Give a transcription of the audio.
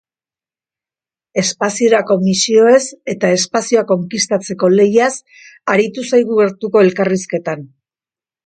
Espaziorako misioez eta espazioa konkistatzeko lehiaz aritu zaigu gertuko elkarrizketan.